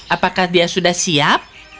apakah dia sudah siap